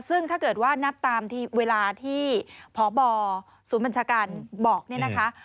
ซึ่งถ้าเกิดว่านับตามเวลาที่พบศูนย์บัญชาการบอกเนี่ยนะคะ